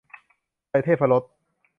ไทยเทพรส